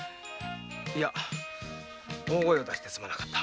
いや大声を出してすまなかった。